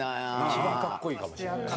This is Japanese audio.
一番格好いいかもしれない。